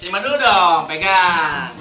sejman dulu dong pegang